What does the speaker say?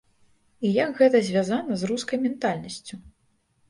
І як гэта звязана з рускай ментальнасцю.